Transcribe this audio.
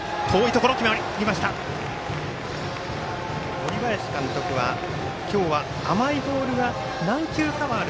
森林監督は今日は甘いボールが何球かはある。